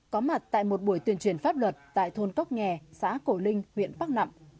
có mặt tại một buổi tuyên truyền pháp luật tại thôn cốc nghè xã cổ linh huyện bắc nẵm